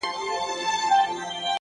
د دوبي ټکنده غرمې د ژمي سوړ سهار مي”